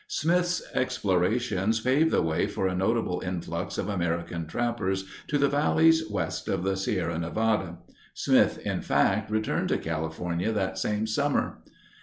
Smith's explorations paved the way for a notable influx of American trappers to the valleys west of the Sierra Nevada. Smith, in fact, returned to California that same summer.